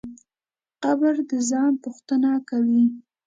قبر د ځان پوښتنه کوي.